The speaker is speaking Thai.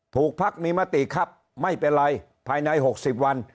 พักมีมติครับไม่เป็นไรภายใน๖๐วัน